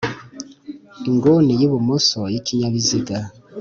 inguni y'ibumoso y'ikinyabiziga.